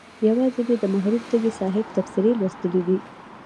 یوازې مې د مرحوم تږي صاحب تبصرې لوستلي دي.